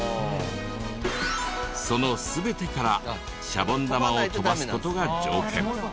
その全てからシャボン玉を飛ばす事が条件。